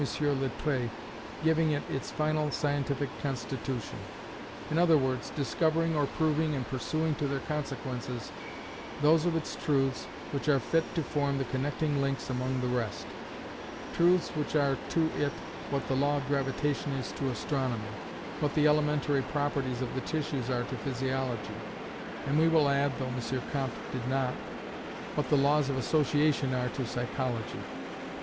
Littré, giving it its final scientific constitution; in other words, discovering or proving, and pursuing to their consequences, those of its truths which are fit to form the connecting links among the rest: truths which are to it what the law of gravitation is to astronomy, what the elementary properties of the tissues are to physiology, and we will add (though M. Comte did not) what the laws of association are to psychology.